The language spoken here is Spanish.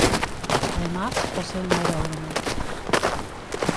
Además, posee un aeródromo.